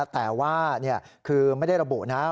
แต่ว่าคือไม่ได้ระบุนะ